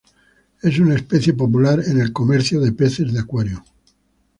Es una especie popular en el comercio de peces de acuario.